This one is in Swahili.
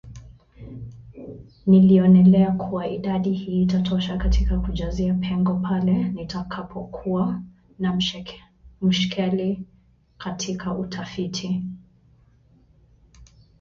Nilionelea kuwa idadi hii itatosha katika kujazia pengo pale nitakapokuwa na mushkeli katika utafiti